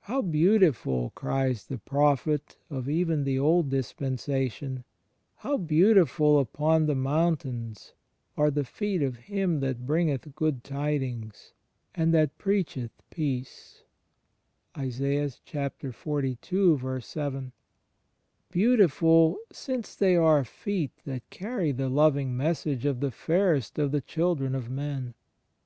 "How beautiful," cries the prophet of even the old dispensation, "how beautiful upon the moimtains are the feet of him that bringeth good tidings and that preacheth peace"; * beautiful, since they are feet that carry the love message of the Fairest of the children of men.